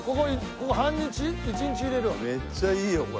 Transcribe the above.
めっちゃいいよこれ。